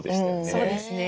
そうですね。